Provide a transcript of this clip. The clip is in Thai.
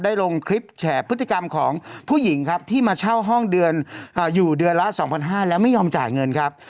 ลงคลิปแฉพฤติกรรมของผู้หญิงครับที่มาเช่าห้องเดือนอยู่เดือนละ๒๕๐๐แล้วไม่ยอมจ่ายเงินครับ